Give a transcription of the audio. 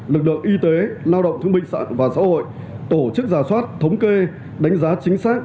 lực lượng y tế lao động thương binh xã và xã hội tổ chức giả soát thống kê đánh giá chính xác